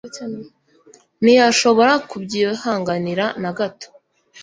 ntiyashobora kubyihanganira na gato